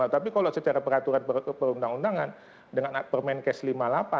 tapi kalau secara peraturan perundang undangan dengan permenkes lima puluh delapan